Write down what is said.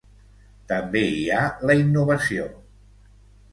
També hi ha la innovació.